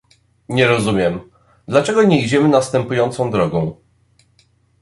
Nie rozumiem, dlaczego nie idziemy następującą drogą